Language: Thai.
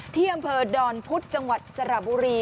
ที่อำเภอดอนพุธจังหวัดสระบุรี